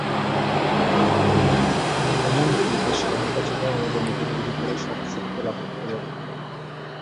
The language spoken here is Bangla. এমন-কি এদের সহায়তা ছাড়াও আমাদের নিজেদের ভিতরেই সব সত্য লাভ করতে পারি।